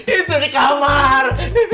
itu di kamar